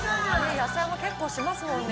野菜も結構しますもんね。